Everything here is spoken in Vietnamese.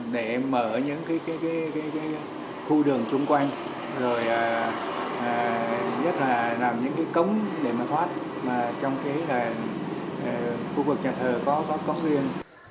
để mở những khu đường trung quanh rồi nhất là làm những cống để thoát trong khi khu vực nhà thơ có cống riêng